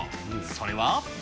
それは。